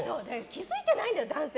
気づいてないんだよ、男性。